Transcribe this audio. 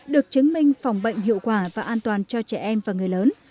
được chứng minh phòng bệnh hiệu quả và an toàn cho trẻ em và người lớn